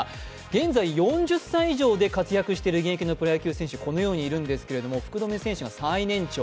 現在４０歳以上で活躍している現役のプロ野球選手、このようにいるんですけれども、福留選手が最年長。